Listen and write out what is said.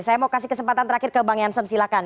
saya mau kasih kesempatan terakhir ke bang yansen silahkan